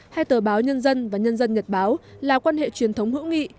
hai tờ báo nhân dân và nhân dân nhật báo là quan hệ truyền thống hữu nghị